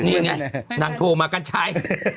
นี่ไงนางโทรมากัญชัย